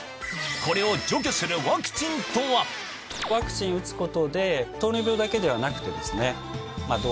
これを除去するワクチン打つことで糖尿病だけではなくてですね。